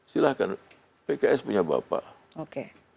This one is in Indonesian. silahkan pks punya bapak